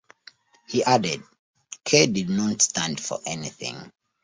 The added "K" did not stand for anything.